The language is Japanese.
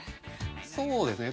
そうですね。